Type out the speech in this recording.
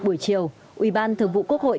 buổi chiều ủy ban thường vụ quốc hội